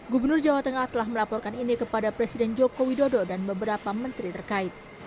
gubernur jawa tengah telah melaporkan ini kepada presiden joko widodo dan beberapa menteri terkait